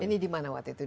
ini dimana waktu itu